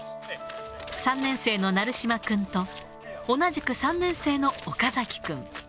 ３年生の成嶋君と、同じく３年生の岡崎君。